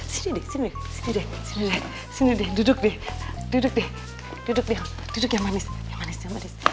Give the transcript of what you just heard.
sini deh sini deh sini deh sini deh duduk deh duduk deh duduk ya duduk ya manis manis manis